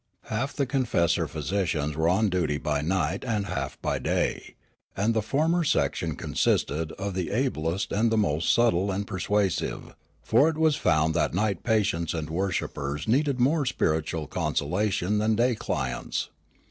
Half the confessor physicians were on duty by night and half by day ; and the former section consisted of the ablest and the most subtle and persuasive ; for it was found that night patients and worshippers needed more spiritual consolation than day clients.